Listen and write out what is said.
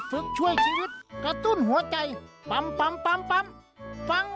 เกิดไม่ทันอ่ะ